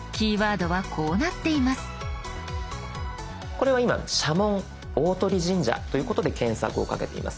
これは今「社紋大鳥神社」ということで検索をかけています。